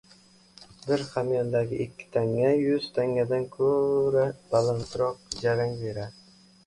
• Bir hamyondagi ikki tanga yuz tangadan ko‘ra balandroq jarang beradi.